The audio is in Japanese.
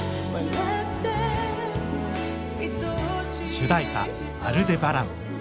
主題歌「アルデバラン」。